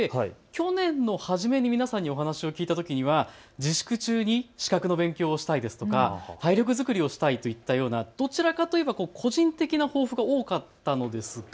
去年の春に皆さんにお話を聞いたときは自粛中に資格の勉強したいですとか体力作りをしたいとか、どちらかといえば個人的な抱負が多かったのですか。